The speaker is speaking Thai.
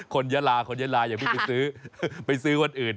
คนยาลาอย่าไปซื้อวันอื่น